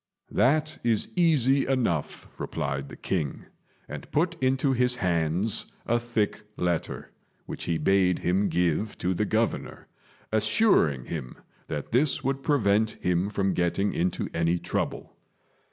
"That is easy enough," replied the king, and put into his hands a thick letter, which he bade him give to the Governor, assuring him that this would prevent him from getting into any trouble.